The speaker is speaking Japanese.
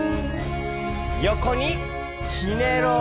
よこにひねろう！